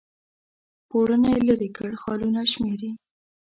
پوړونی لیري کړ خالونه شمیري